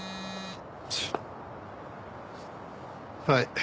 はい。